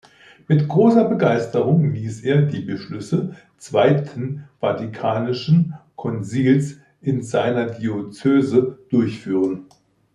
Mit großer Begeisterung ließ er die Beschlüsse Zweiten Vatikanischen Konzils in seiner Diözese durchführen.